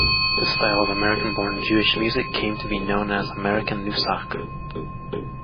This style of American-born Jewish music came to be known as "American Nusach".